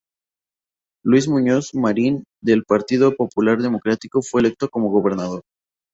Luis Muñoz Marín del Partido Popular Democrático fue electo como Gobernador.